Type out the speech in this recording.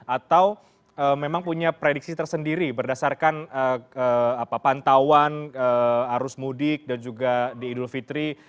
atau memang punya prediksi tersendiri berdasarkan pantauan arus mudik dan juga di idul fitri